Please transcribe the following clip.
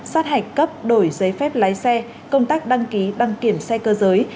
sát hạch cấp đổi giấy phép lái xe công tác đăng ký đăng kiểm xe cơ giới